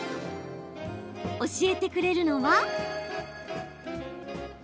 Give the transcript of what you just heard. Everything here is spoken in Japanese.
教えてくれるのは。